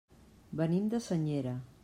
Venim de Senyera.